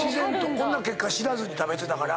こんな結果知らずに食べてたから。